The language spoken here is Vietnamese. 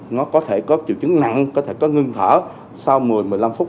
nó có thể có triệu chứng nặng có thể có ngưng thở sau một mươi một mươi năm phút